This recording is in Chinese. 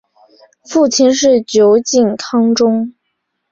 父亲是酒井康忠。